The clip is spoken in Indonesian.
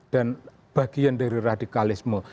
dan bagian dari radikalisme